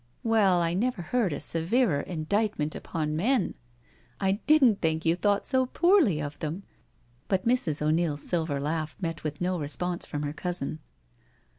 " Well, I never heard a severer indictment upon men I I didn't know you thought so poorly of them.*' But Mrs. O 'Neil's silver laugh met with no response from her cousin.